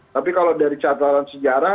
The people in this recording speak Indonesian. tapi kalau dari catatan sejarah